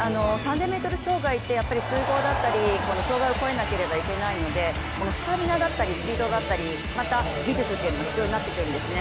３０００ｍ障害って水濠だったり障害を越えなければいけないのでスタミナだったりスピードだったりまた、技術というのも必要になってくるんですね。